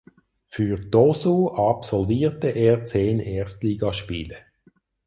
Für Tosu absolvierte er zehn Erstligaspiele.